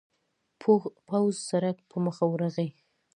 پوخ سړک په مخه ورغی.